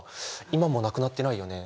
今もなくなってないよね？